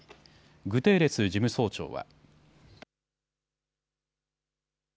グテーレス事務総長は。